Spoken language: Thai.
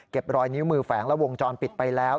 รอยนิ้วมือแฝงและวงจรปิดไปแล้ว